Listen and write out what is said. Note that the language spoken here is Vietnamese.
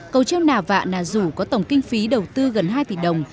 cầu treo nà vạn nà dù có tổng kinh phí đầu tư gần hai tỷ đồng